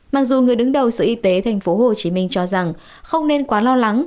mặc dù người đứng đầu sở y tế tp hcm cho rằng không nên quá lo lắng